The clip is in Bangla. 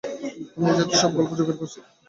আমি এইজাতীয় সব গল্প জোগাড় করছি।